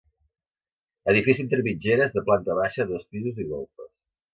Edifici entre mitgeres, de planta baixa, dos pisos i golfes.